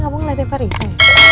gak bunga ngeliatin perisai